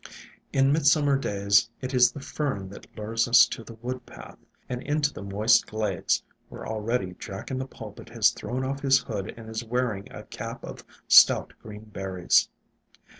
In midsummer days it is the Fern that lures us to the wood path, and into the moist glades, where already Jack in the Pulpit has thrown off his hood and is wearing a cap of stout green berries.